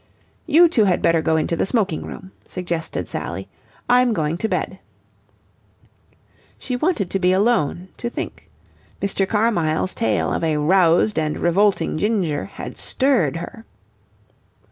"You two had better go into the smoking room," suggested Sally. "I'm going to bed." She wanted to be alone, to think. Mr. Carmyle's tale of a roused and revolting Ginger had stirred her.